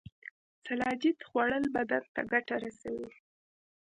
سلاجید خوړل بدن ته ګټه رسوي